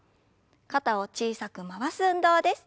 肩を小さく回す運動です。